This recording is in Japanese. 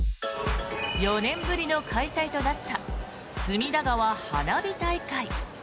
４年ぶりの開催となった隅田川花火大会。